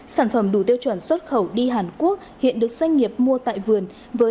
sản phẩm đủ tiêu chuẩn xuất khẩu đi hàn quốc hiện được doanh nghiệp mua tại vườn